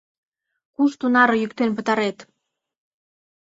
Куш тунаре йӱктен пытарет?